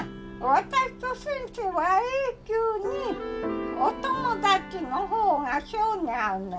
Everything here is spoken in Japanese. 私と先生は永久にお友達の方が性に合うねん。